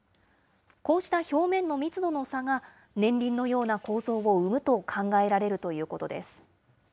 こうした表面の密度の差が、年輪のような構造を生むと考えられるということです。